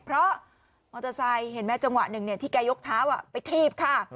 เพราะมอเตอร์ไซค์เห็นไหมจังหวะหนึ่งที่แกยกเท้าไปทีบค่ะ